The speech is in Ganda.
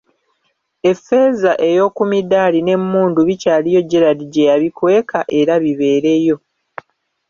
Effeeza ey'oku midaali n'emmundu bikyaliyo Gerald gye yabikweka, era bibeereyo.